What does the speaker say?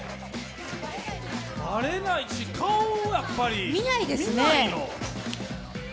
バレないし、顔をやっぱり見ないの。